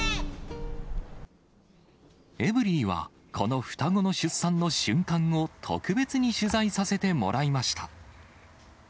エブリィはこの双子の出産の瞬間を特別に取材させてもらいました。